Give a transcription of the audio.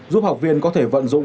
giúp học viên có thể vận dụng